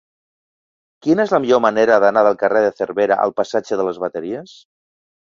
Quina és la millor manera d'anar del carrer de Cervera al passatge de les Bateries?